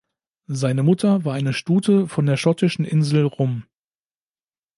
Seine Mutter war eine Stute von der schottischen Insel Rum.